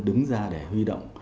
đứng ra để huy động